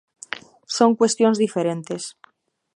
Son cuestións diferentes.